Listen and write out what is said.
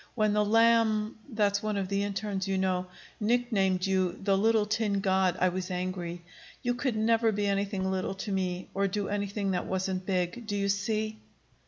When the Lamb that's one of the internes, you know nicknamed you the 'Little Tin God,' I was angry. You could never be anything little to me, or do anything that wasn't big. Do you see?"